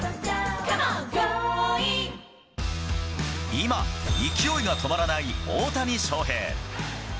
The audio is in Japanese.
今、勢いが止まらない大谷翔平。